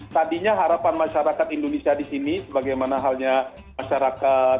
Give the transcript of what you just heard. tadinya harapan masyarakat indonesia di sini sebagaimana halnya masyarakat